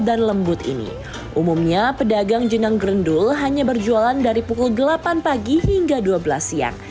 dan lembut ini umumnya pedagang jenang grendul hanya berjualan dari pukul delapan pagi hingga dua belas siang